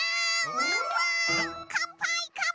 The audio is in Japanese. ワンワン！